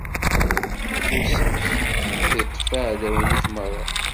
Afus-ik ad iṭṭef iɛdawen-ik merra.